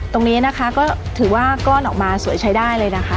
ตรงนี้นะคะก็ถือว่าก้อนออกมาสวยใช้ได้เลยนะคะ